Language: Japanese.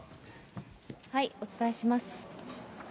お伝えします。